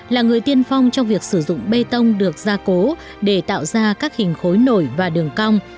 là người tiên phong trong việc sử dụng bê tông được gia cố để tạo ra các hình khối nổi và đường cong